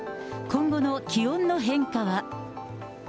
今後の気温の変化は。